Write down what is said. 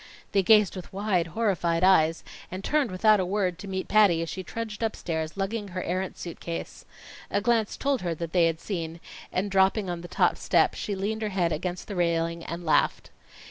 They gazed with wide, horrified eyes, and turned without a word to meet Patty as she trudged upstairs lugging her errant suit case. A glance told her that they had seen, and dropping on the top step, she leaned her head against the railing and laughed.